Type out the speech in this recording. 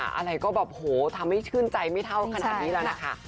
อะไรก็แบบโหทำให้ชื่นใจไม่เท่าขนาดนี้แล้วนะคะ